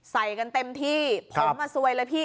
ใส่กันเต็มที่ผมมาซวยเลยพี่